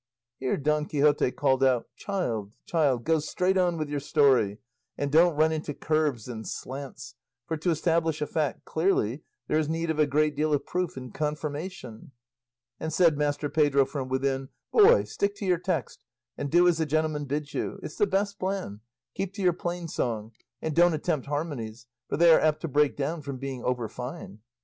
Here Don Quixote called out, "Child, child, go straight on with your story, and don't run into curves and slants, for to establish a fact clearly there is need of a great deal of proof and confirmation;" and said Master Pedro from within, "Boy, stick to your text and do as the gentleman bids you; it's the best plan; keep to your plain song, and don't attempt harmonies, for they are apt to break down from being over fine."